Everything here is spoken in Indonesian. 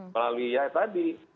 melalui ya tadi